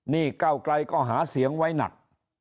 นี่เก้าไกลก็หาเสียงไว้หนัก